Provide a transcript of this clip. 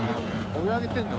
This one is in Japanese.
追い上げてるの。